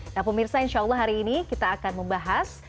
nah pemirsa insyaallah hari ini kita akan membahas